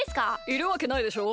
いるわけないでしょ。